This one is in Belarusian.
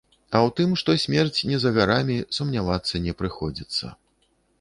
А ў тым, што смерць не за гарамі, сумнявацца не прыходзіцца.